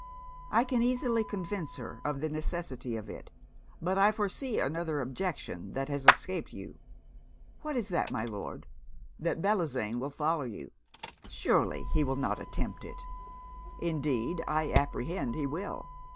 'I can easily convince her of the necessity of it; but I foresee another objection that has escaped you.' 'What is that, my Lord?' 'That Bellozane will follow you.' 'Surely he will not attempt it?' 'Indeed I apprehend he will.